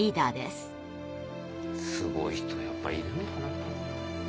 すごい人やっぱいるんだな。